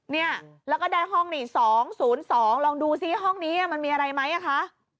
เนี่ยแล้วก็ได้ห้องนี่๒๐๒ลองดูซิห้องนี้มันมีอะไรไหมคะ